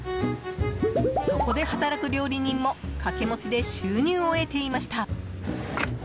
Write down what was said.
そこで働く料理人も掛け持ちで収入を得ていました。